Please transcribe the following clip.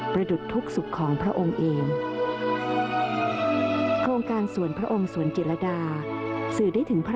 ประดุดทุกศุกร์ของพระองค์เอง